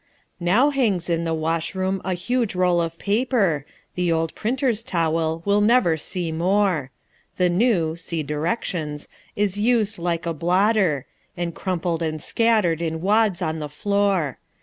Now hangs in the washroom a huge roll of paper The old printer's towel we'll never see more. The new (see directions) is "used like a blotter," And crumpled and scattered in wads on the floor.